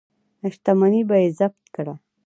شتمني به یې ضبط کړه.